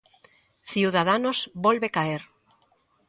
Ciudadanos volve caer.